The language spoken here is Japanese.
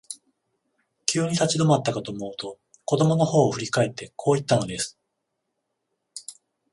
急に立ち止まったかと思うと、子供のほうを振り返って、こう言ったのです。